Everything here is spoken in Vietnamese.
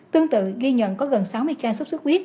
tương tự ghi nhận có gần sáu mươi ca sốt sốt huyết